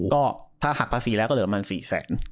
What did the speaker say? ขั้นเหนือรายการแล้วก็เหลือประมาณ๔แสน